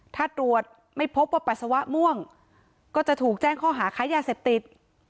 ถ้าตรวจไม่พบว่าปัสสาวะม่วงก็จะถูกแจ้งข้อหาค้ายาเสพติด